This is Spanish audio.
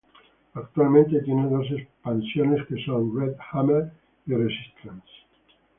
Actualmente tiene dos expansiones que son "Red Hammer" y "Resistance".